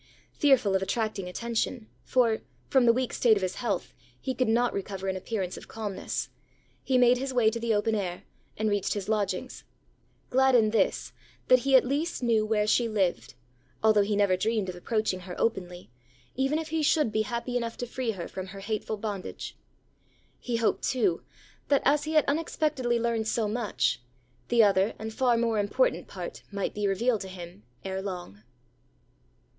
Fearful of attracting attention, for, from the weak state of his health, he could not recover an appearance of calmness, he made his way to the open air, and reached his lodgings; glad in this, that he at least knew where she lived, although he never dreamed of approaching her openly, even if he should be happy enough to free her from her hateful bondage. He hoped, too, that as he had unexpectedly learned so much, the other and far more important part might be revealed to him ere long.